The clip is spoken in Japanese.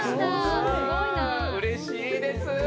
うれしいです！